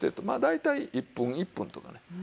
まあ大体１分１分とかね